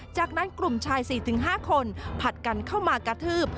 จากนั้นกลุ่มชาย๔๕คนผัดกันเข้ามากระทืบ